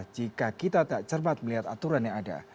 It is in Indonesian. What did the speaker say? jika kita tak cermat melihat aturan yang ada